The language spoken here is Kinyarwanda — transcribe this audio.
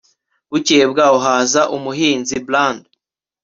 bukeye bwaho, haza umuhinzi bland